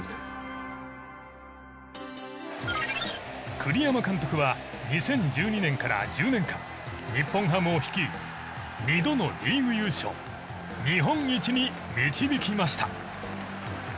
栗山監督は２０１２年から１０年間日本ハムを率い２度のリーグ優勝日本一に導きました。